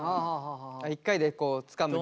１回でつかむ量。